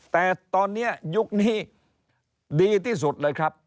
แต่ตอนนี้ยุคนี้ดีที่สุดเลยครับ